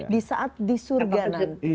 di saat di surga nanti